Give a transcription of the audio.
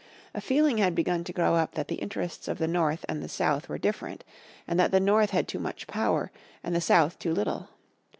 A feeling had begun to grow up that the interests of the North and the South were different, and that the North had too much power, and the South too little.